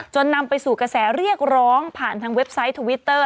นำไปสู่กระแสเรียกร้องผ่านทางเว็บไซต์ทวิตเตอร์